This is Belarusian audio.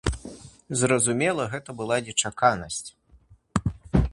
Зразумела, гэта была нечаканасць.